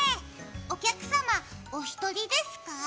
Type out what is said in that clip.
お客様、お一人ですか？